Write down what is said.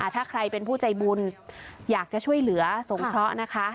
ถ้าใครเป็นผู้ใจบุญอยากจะช่วยเหลือสงเคราะห์นะคะ